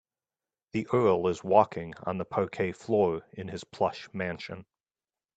The earl is walking on the parquet floor in his plush mansion.